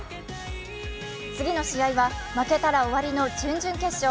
次の試合は、負けたら終わりの準々決勝。